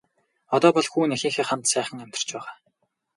Одоо бол хүү нь эхийнхээ хамт сайхан амьдарч байгаа.